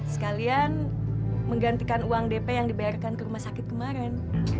sekalian menggantikan uang dp yang dibayarkan ke rumah sakit kemarin